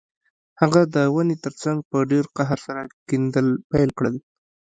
هغه د ونې ترڅنګ په ډیر قهر سره کیندل پیل کړل